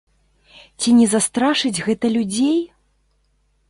Ці не застрашыць гэта людзей?